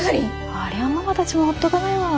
ありゃママたちもほっとかないわ。